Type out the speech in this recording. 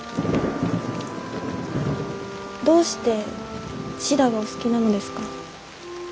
どうしてシダがお好きなのですか？